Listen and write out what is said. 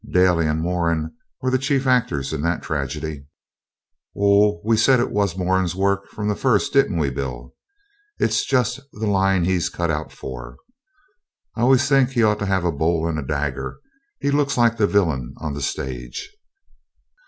Daly and Moran were the chief actors in that tragedy.' 'Oh, we said it was Moran's work from the first, didn't we, Bill? It's just the line he's cut out for. I always think he ought to have a bowl and dagger. He looks like the villain on the stage.'